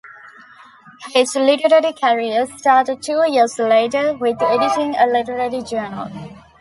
His literary career started two years later with editing a literary journal.